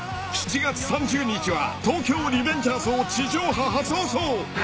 ［７月３０日は『東京リベンジャーズ』を地上波初放送］